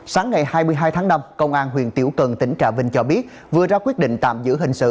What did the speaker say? sáng ngày hai mươi hai tháng năm công an huyện tiểu cần tỉnh trà vinh cho biết vừa ra quyết định tạm giữ hình sự